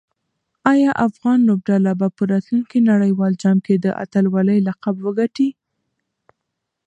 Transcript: آیا افغان لوبډله به په راتلونکي نړیوال جام کې د اتلولۍ لقب وګټي؟